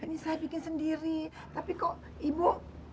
ini saya bikin sendiri tapi kok ibu